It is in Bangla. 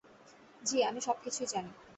জ্বি, আমি সব কিছুই জানি।